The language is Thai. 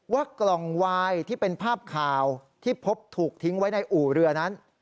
ว่ากล่องวายที่เป็นภาพข่าวที่พบถูกทิ้งไว้ในอู่เรือนั้น